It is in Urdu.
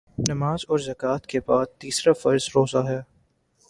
نماز اور زکوٰۃ کے بعدتیسرا فرض روزہ ہے